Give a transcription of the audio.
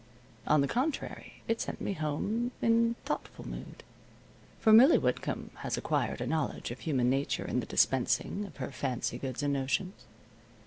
On the contrary, it sent me home in thoughtful mood, for Millie Whitcomb has acquired a knowledge of human nature in the dispensing of her fancy goods and notions.